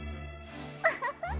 ウフフ。